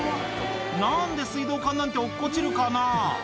なんで水道管なんて落っこちるかな。